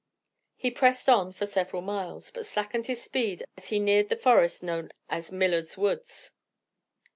He pressed on for several miles, but slackened his speed as he neared the forest known as Miller's Woods.